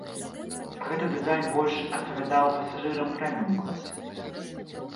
Гэты дызайн больш адпавядаў пасажырам прэміум-класа.